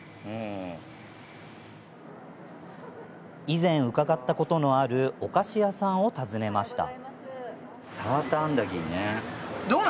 以前、伺ったことのあるお菓子屋さんを訪ねました。